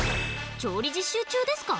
調理実習中ですか？